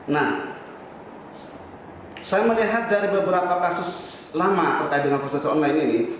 nah saya melihat dari beberapa kasus lama terkait dengan proses online ini